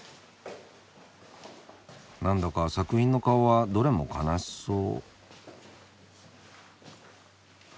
なんだか作品の顔はどれも悲しそう。